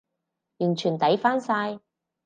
完全抵返晒